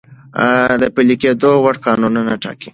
د پلی کیدو وړ قانون ټاکی ،